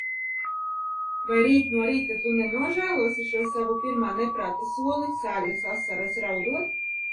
Vai rīt no rīta tu nenožēlosi šo savu pirmā neprāta soli, sāļas asaras raudot?